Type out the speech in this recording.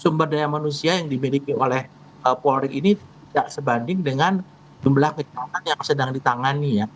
sumber daya manusia yang dimiliki oleh polri ini tidak sebanding dengan jumlah kejahatan yang sedang ditangani ya